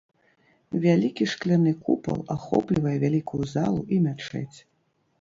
Вялікі шкляны купал ахоплівае вялікую залу і мячэць.